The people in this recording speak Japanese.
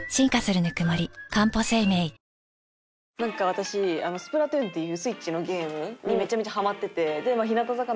私『スプラトゥーン』っていうＳｗｉｔｃｈのゲームにめちゃめちゃハマってて。